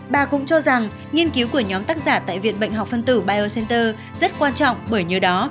bà cũng cho rằng nghiên cứu của nhóm tác giả tại viện bệnh học phân tử bion center rất quan trọng bởi nhờ đó